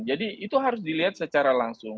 jadi itu harus dilihat secara langsung